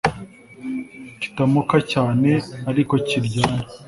Kitamoka cyane ariko kiryana